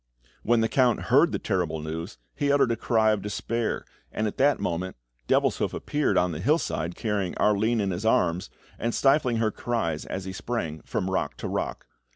When the Count heard the terrible news, he uttered a cry of despair, and at that moment, Devilshoof appeared on the hillside carrying Arline in his arms, and stifling her cries as he sprang from rock to rock.